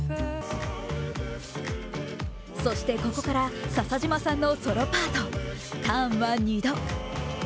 そして、ここから笹島さんのソロパートターンは２度。